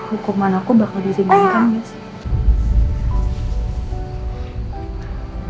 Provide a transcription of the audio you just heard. hukuman aku bakal di zimbangkan ya sayang